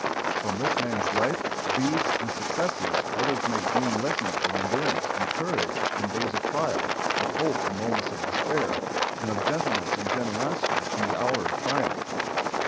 From this man's life, deeds, and successes others may glean lessons of endurance and courage in days of trial, of hope in moments of despair, and of gentleness and generosity in the hour of triumph.